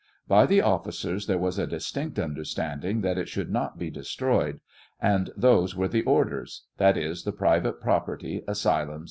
By the officers there was a distinct understand ing that it should not be destroyed, and those were the orders; that is, the private property, asylums, &c.